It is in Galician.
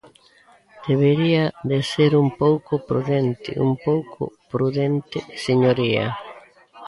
Debería de ser un pouco prudente, un pouco prudente, señoría.